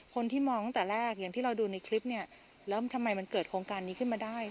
คนที่มองตั้งแต่แรกอย่างที่เราดูในคลิปเนี่ยแล้วทำไมมันเกิดโครงการนี้ขึ้นมาได้